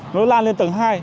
nó lan lên tầng hai